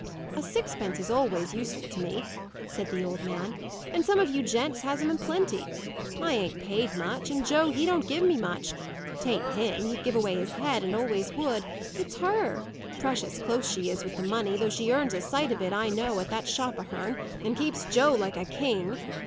"A sixpence is always useful to me," said the old man; "and some of you gents has 'em in plenty. I ain't paid much; and Joe, he don't give me much. 'Tain't him; he'd give away his head, and always would it's her. Precious close she is with the money, though she earns a sight of it, I know, at that shop of her'n, and keeps Joe like a king.